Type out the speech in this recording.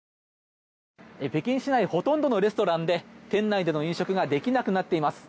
北京市内ほとんどのレストランで店内での飲食ができなくなっています。